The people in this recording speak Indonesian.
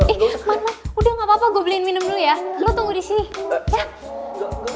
eh man udah gapapa gue beliin minum dulu ya lo tunggu disini ya